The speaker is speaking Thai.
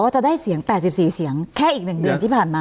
จะได้เสียง๘๔เสียงแค่อีก๑เดือนที่ผ่านมา